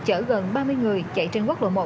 chở gần ba mươi người chạy trên quốc lộ một